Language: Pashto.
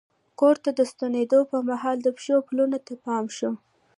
کور ته د ستنېدو پر مهال د پښو پلونو ته مو پام شو.